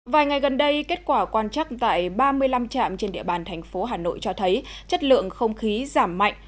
vài ngày gần đây kết quả quan trắc tại ba mươi năm trạm trên địa bàn thành phố hà nội cho thấy chất lượng không khí giảm mạnh